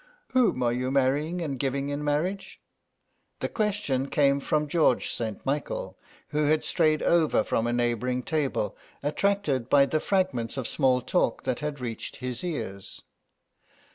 "Whom are you marrying and giving in marriage?" The question came from George St. Michael, who had strayed over from a neighbouring table, attracted by the fragments of small talk that had reached his ears.